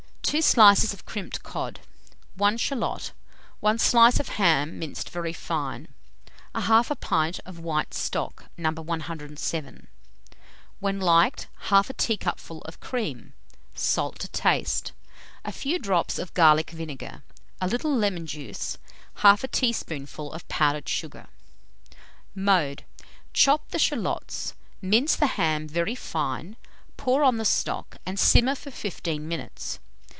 2 slices of crimped cod, 1 shalot, 1 slice of ham minced very fine, 1/2 pint of white stock, No. 107; when liked, 1/2 teacupful of cream; salt to taste; a few drops of garlic vinegar, a little lemon juice, 1/2 teaspoonful of powdered sugar. Mode. Chop the shalots, mince the ham very fine, pour on the stock, and simmer for 15 minutes.